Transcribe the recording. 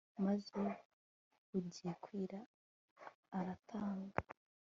maze bugiye kwira aratanga